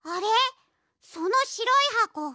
そのしろいはこなに？